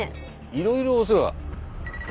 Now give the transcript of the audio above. いろいろお世話？